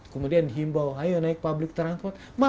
kemudian dihimbau ayo naik transportasi publik